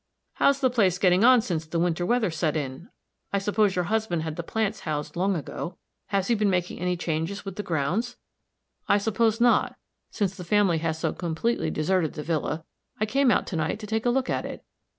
"How's the place getting on since the winter weather set in? I suppose your husband had the plants housed long ago. Has he been making any changes with the grounds? I suppose not, since the family has so completely deserted the villa. I came out to night to take a look at it.